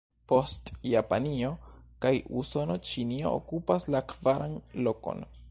Post Japanio kaj Usono, Ĉinio okupas la kvaran lokon.